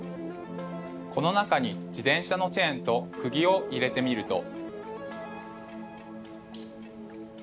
この中に自転車のチェーンとくぎを入れてみると。